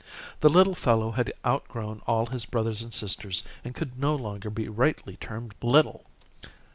The little fellow had outgrown all his brothers and sisters, and could no longer be rightly termed little.